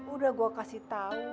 udah gue kasih tahu